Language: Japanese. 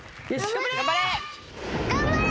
頑張れ。